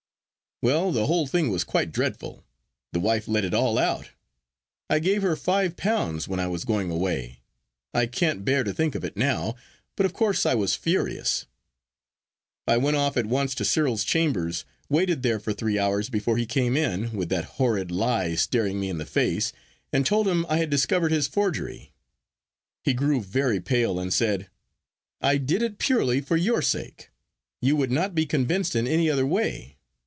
Well, the whole thing was quite dreadful. The wife let it all out. I gave her five pounds when I was going away. I can't bear to think of it now; but of course I was furious. I went off at once to Cyril's chambers, waited there for three hours before he came in, with that horrid lie staring me in the face, and told him I had discovered his forgery. He grew very pale and said—"I did it purely for your sake. You would not be convinced in any other way.